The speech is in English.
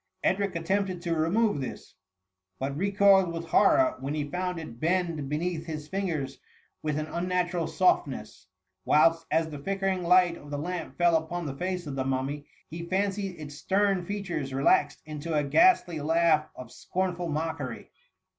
Edric attempted to remove this^ but recoiled with horror, when lie found it bend beneath his fingers with «a unnatural softness ; whilst, as the flickering light of the lamp fell upon the face of the mummy, he fancied its stem features relaxed into a ghastly laugh, of scorn* ful mockery.